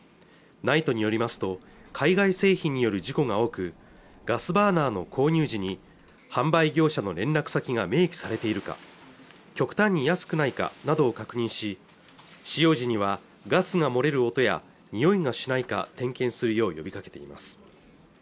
ＮＩＴＥによりますと海外製品による事故が多くガスバーナーの購入時に販売業者の連絡先が明記されているか極端に安くないかなどを確認し使用時にはガスが漏れる音やにおいがしないか点検するよう呼びかけています